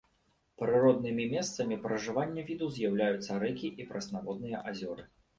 Прыроднымі месцам пражывання віду з'яўляюцца рэкі і прэснаводныя азёры.